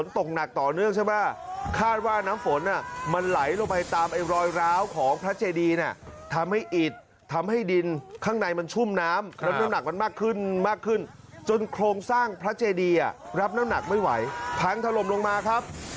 ตกหนักต่อเนื่องใช่ไหมคาดว่าน้ำฝนมันไหลลงไปตามไอ้รอยร้าวของพระเจดีน่ะทำให้อิดทำให้ดินข้างในมันชุ่มน้ำแล้วน้ำหนักมันมากขึ้นมากขึ้นจนโครงสร้างพระเจดีรับน้ำหนักไม่ไหวพังถล่มลงมาครับ